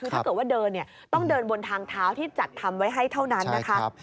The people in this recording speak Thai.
ถ้าเกิดว่าเดินต้องเดินบนทางท้าวที่จัดทำไว้ให้เท่านั้น